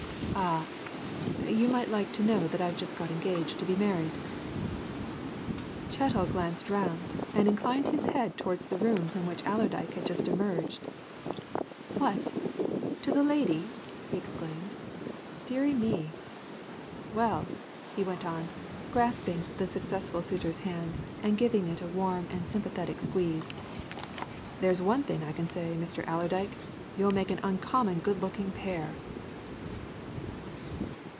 Ah! you might like to know that I've just got engaged to be married!" Chettle glanced round and inclined his head towards the room from which Allerdyke had just emerged. "What! to the lady!" he exclaimed. "Deary me. Well," he went on, grasping the successful suitor's hand, and giving it a warm and sympathetic squeeze, "there's one thing I can say, Mr. Allerdyke you'll make an uncommon good looking pair!"